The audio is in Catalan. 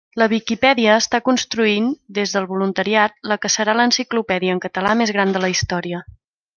La Viquipèdia està construint des del voluntariat la que serà l'enciclopèdia en català més gran de la història.